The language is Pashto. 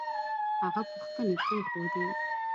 هغه پوښتنې پرېښودې